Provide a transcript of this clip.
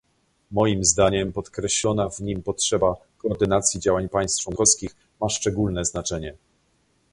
Moim zdaniem podkreślona w nim potrzeba koordynacji działań państw członkowskich ma szczególne znaczenie